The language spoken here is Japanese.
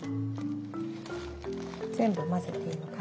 全部混ぜていいのかな？